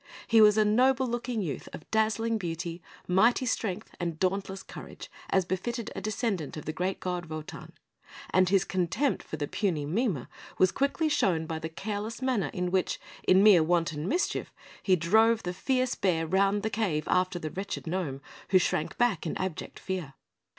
He was a noble looking youth of dazzling beauty, mighty strength, and dauntless courage as befitted a descendant of the great god, Wotan; and his contempt for the puny Mime was quickly shown by the careless manner in which, in mere wanton mischief, he drove the fierce bear round the cave after the wretched gnome, who shrank back in abject fear.